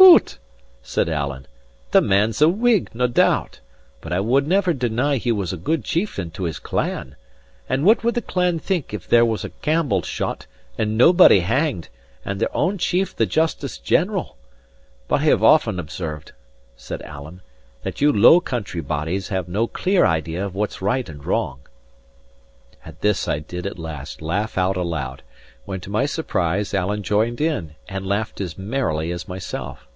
"Hoot!" said Alan, "the man's a Whig, nae doubt; but I would never deny he was a good chieftain to his clan. And what would the clan think if there was a Campbell shot, and naebody hanged, and their own chief the Justice General? But I have often observed," says Alan, "that you Low country bodies have no clear idea of what's right and wrong." At this I did at last laugh out aloud, when to my surprise, Alan joined in, and laughed as merrily as myself.